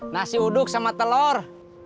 nasi uduk sama telur